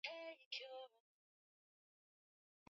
kama ilivyopendekezwa na wanaharakati wa nchini humo